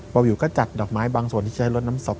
วิวก็จัดดอกไม้บางส่วนที่ใช้รถน้ำศพ